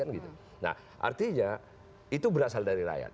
nah artinya itu berasal dari rakyat